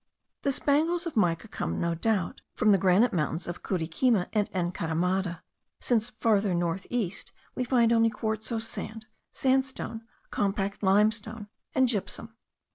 The spangles of mica come, no doubt, from the granite mountains of Curiquima and Encaramada; since further north east we find only quartzose sand, sandstone, compact limestone, and gypsum.